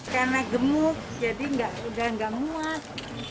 karena gemuk jadi sudah tidak muat